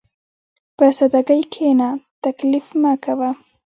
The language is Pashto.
په سادهګۍ کښېنه، تکلف مه کوه.